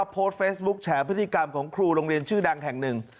โพสต์เฟซบุ๊คแฉพฤติกรรมของครูโรงเรียนชื่อดังแห่งหนึ่ง